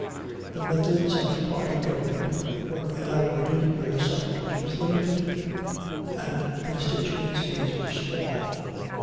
The methods of party government were elaborated where suffrage was limited and constituencies were small.